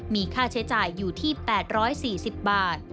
มีค่าใช้จ่ายอยู่ที่๘๔๐บาท